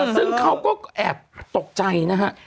ซึ่งเขาก็แอบตกใจนะฮะ